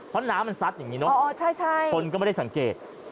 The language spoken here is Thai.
เพราะน้ำมันซัดอย่างนี้เนอะคนก็ไม่ได้สังเกต